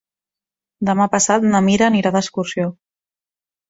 Demà passat na Mira anirà d'excursió.